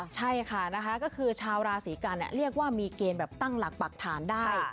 ใช่ค่ะนะคะก็คือชาวราศีกันเรียกว่ามีเกณฑ์แบบตั้งหลักปรักฐานได้